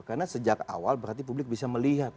karena sejak awal berarti publik bisa melihat